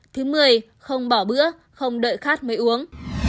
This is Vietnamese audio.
thứ mười không bỏ bữa không đợi khát mới uống